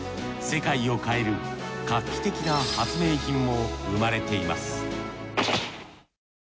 世界を変える画期的な発明品も生まれています